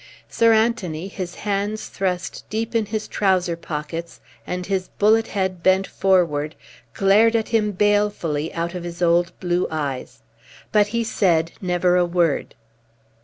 Sir Anthony, his hands thrust deep in his trouser pockets and his bullet head bent forward, glared at him balefully out of his old blue eyes. But he said never a word.